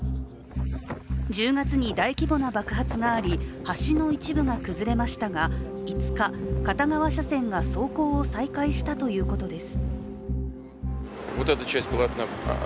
１０月に大規模な爆発があり、橋の一部が崩れましたが５日、片側車線が走行を再開したということです。